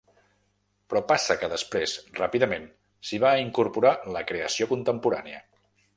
Però passa que després, ràpidament, s’hi va incorporar la creació contemporània.